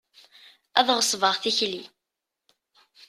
Ad ɣesbeɣ tikli.